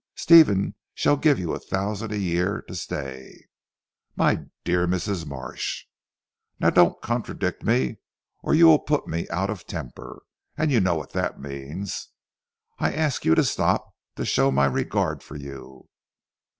Stephen shall give you a thousand a year to stay." "My dear Mrs. Marsh!" "Now don't contradict me or you will put me out of temper. And you know what that means. I ask you to stop, to show my regard for you.